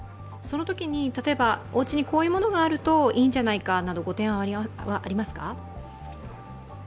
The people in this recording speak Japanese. そのときに、おうちにこういうものがあるといいんじゃないかとか、ご提案はありますか。